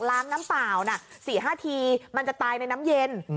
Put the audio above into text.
น้ำเปล่า๔๕ทีมันจะตายในน้ำเย็น